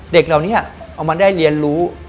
เด็กเหล่านี้เอามาได้เรียนรู้